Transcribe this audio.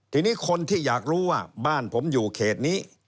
ทีนี้คนที่อยากรู้ว่าบ้านผมอยู่เขตนี้